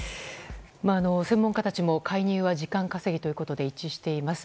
専門家たちも介入は時間稼ぎということで一致しています。